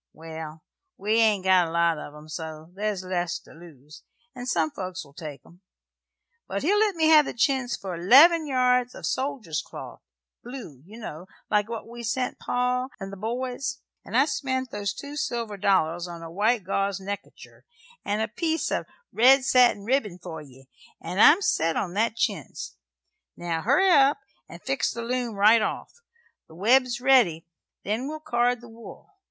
Well, we ain't got a great lot of 'em, so there's less to lose, and some folks will take 'em; but he'll let me have the chintz for 'leven yards o' soldier's cloth blue, ye know, like what we sent pa and the boys. And I spent them two silver dollars on a white gauze neck kercher and a piece of red satin ribbin for ye, for I'm set on that chintz. Now hurry up 'nd fix the loom right off. The web's ready, then we'll card the wool.